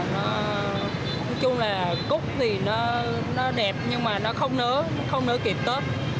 nói chung là cúc thì nó đẹp nhưng mà nó không nỡ không nỡ kịp tết